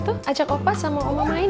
tuh ajak opah sama omah main